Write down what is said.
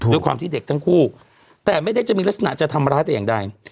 ด้วยความที่เด็กทั้งคู่แต่ไม่ได้จะมีลักษณะจะทำร้ายแต่อย่างใด